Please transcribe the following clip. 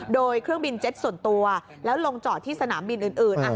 โดยเครื่องบินเจ็ตส่วนตัวแล้วลงจอดที่สนามบินอื่น